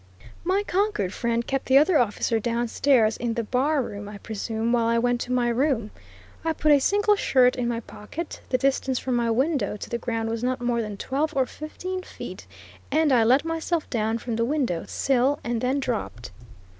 My Concord friend kept the other officer down stairs in the bar room, I presume while I went to my room. I put a single shirt in my pocket; the distance from my window to the ground was not more than twelve or fifteen feet, and I let myself down from the window sill and then dropped.